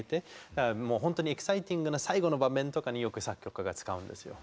だからもう本当にエキサイティングな最後の場面とかによく作曲家が使うんですよ。